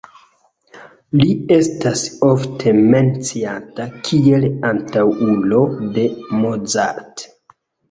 Li estas ofte menciata kiel antaŭulo de Mozart.